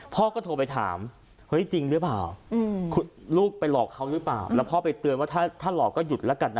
พ่อก็โทรไปถามเฮ้ยจริงหรือเปล่าลูกไปหลอกเขาหรือเปล่าแล้วพ่อไปเตือนว่าถ้าหลอกก็หยุดแล้วกันนะ